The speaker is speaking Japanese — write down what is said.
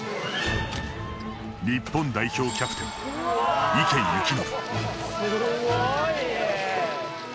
日本代表キャプテン・池透暢。